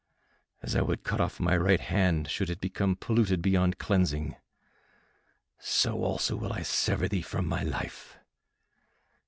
As I would cut off my right hand should it become polluted beyond cleansing, so also will I sever thee from my life.